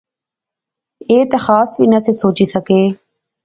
ایہہ تہ خاص وی نہسے سوچی سکے